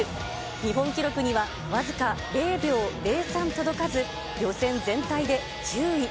日本記録には僅か０秒０３届かず、予選全体で９位。